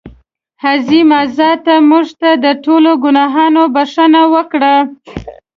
عظیمه ذاته مونږ ته د ټولو ګناهونو بښنه وکړه.